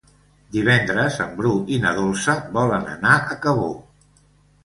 Divendres en Bru i na Dolça volen anar a Cabó.